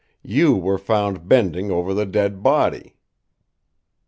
You were found bending over the dead body.